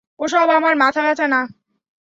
ওসব আমার মাথাব্যথা না।